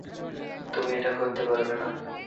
তুমি এটা করতে পারবে না।